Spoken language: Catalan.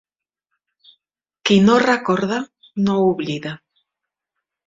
Qui no recorda, no oblida.